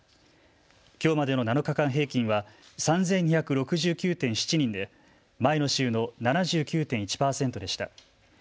きょうまでの７日間平均は３２６９．７人で前の週の７９．１％でした。